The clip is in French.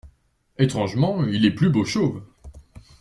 étrangement, il est plus beau chauve.